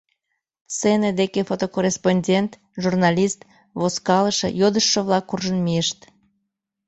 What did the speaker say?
Сцене деке фотокорреспондент, журналист, возкалыше, йодыштшо-влак куржын мийышт.